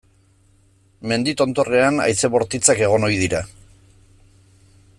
Mendi tontorrean haize bortitzak egon ohi dira.